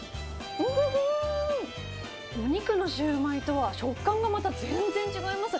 お肉のシュウマイとは、食感がまた全然違います。